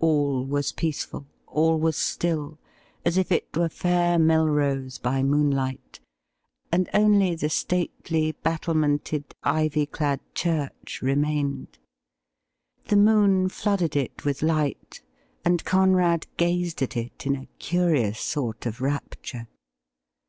All was peaceful, all was still, as if it were fair Melrose by moonlight, and only the stately, battlemented, A LETTER AND A MEETING 181 ivy clad church remained. The moon flooded it with light, and Conrad gazed at it in a curious sort of rapture.